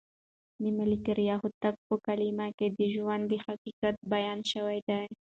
د ملکیار هوتک په کلام کې د ژوند د حقایقو بیان شوی دی.